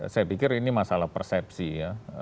saya pikir ini masalah persepsi ya